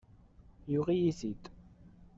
Yuɣ-iyi-t-id.